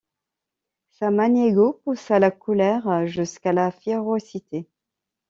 Samaniego poussa la colère jusqu'à la férocité.